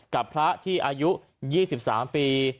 กับพระที่อายุ๒๓ปี